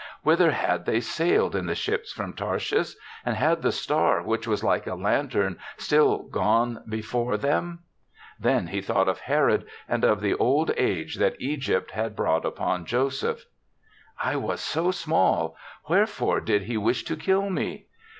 Whither had they sailed in the ships from Tar shish, and had the star, which was like a lantern, still gone before them? Then, he thought of Herod, and of the old age that Egypt had brought upon Joseph. THE SEVENTH CHRISTMAS' 45 " I was so small ; wherefore did he wish to kill me?"